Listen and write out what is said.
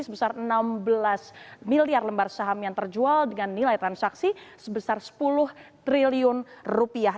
sebesar enam belas miliar lembar saham yang terjual dengan nilai transaksi sebesar sepuluh triliun rupiah